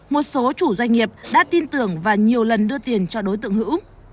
một số chủ doanh nghiệp đã tin tưởng và nhiều lần đưa tiền cho đối tượng hữu